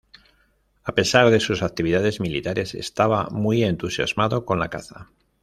A pesar de sus actividades militares, estaba muy entusiasmado con la caza.